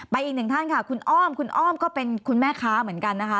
อีกหนึ่งท่านค่ะคุณอ้อมคุณอ้อมก็เป็นคุณแม่ค้าเหมือนกันนะคะ